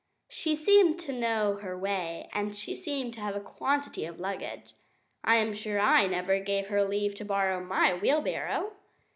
She seemed to know her way, and she seemed to have a quantity of luggage. I am sure I never gave her leave to borrow my wheelbarrow!